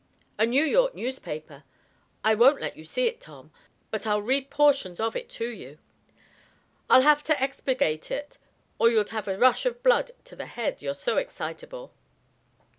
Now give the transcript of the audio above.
"A New York newspaper. I won't let you see it, Tom, but I'll read portions of it to you. I'll have to expurgate it or you'd have a rush of blood to the head, you're so excitable.